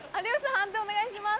判定お願いします。